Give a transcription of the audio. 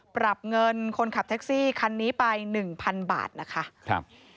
ปรับเงินคนขับทักซีขรรภ์นี้ไป๑๐๐๐บาท